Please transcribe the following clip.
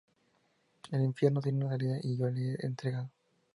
El infierno tiene una salida y yo la he encontrado.